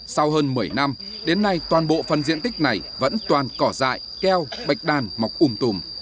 sau hơn một mươi năm đến nay toàn bộ phần diện tích này vẫn toàn cỏ dại keo bạch đàn mọc ùm tùm